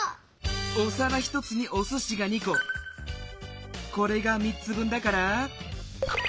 おさら１つにおすしが２ここれが３つ分だから。